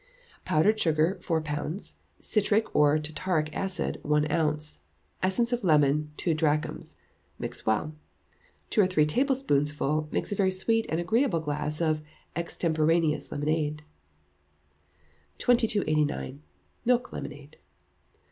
Powdered sugar, four pounds; citric or tartaric acid, one ounce; essence of lemon, two drachms; mix well. Two or three teaspoonfuls make a very sweet and agreeable glass of extemporaneous lemonade. 2289. Milk Lemonade.